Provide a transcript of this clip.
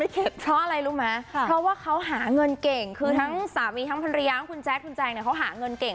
เก็บเพราะอะไรรู้ไหมเพราะว่าเขาหาเงินเก่งคือทั้งสามีทั้งภรรยาของคุณแจ๊คคุณแจงเนี่ยเขาหาเงินเก่ง